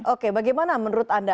oke bagaimana menurut anda